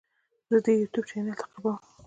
زه د یوټیوب چینل تعقیبوم.